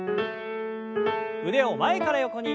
腕を前から横に。